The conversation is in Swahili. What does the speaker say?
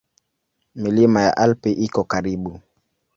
Milima ya Alpi iko karibu.